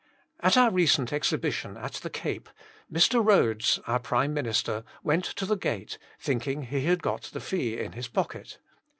" At our recent exhibi tion at the Cape, Mr. Rhodes, our Prime Minister, went to the gate, thinking he had got the fee in his pocket.